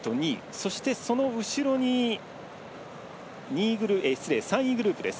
そしてその後ろに３位グループです。